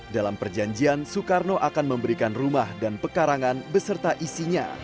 dalam perjanjian soekarno akan memberikan rumah dan pekarangan beserta isinya